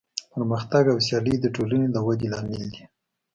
پرمختګ او سیالي د ټولنې د ودې لامل دی.